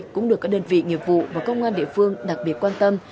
cũng được các đơn vị nghiệp vụ và công an địa phương đặc biệt quan tâm